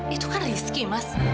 itu kan rizky mas